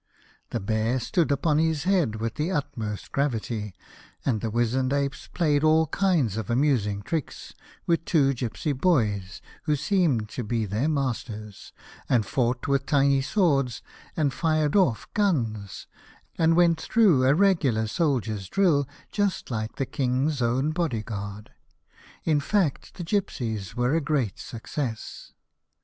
The bear stood upon his head with the utmost gravity, and the wizened apes played all kinds of amusing tricks with two gipsy boys who seemed to be their masters, and fought with tiny swords, and fired off guns, and went through a regular soldier's drill just like the King's own body guard. In fact the gipsies were a great success.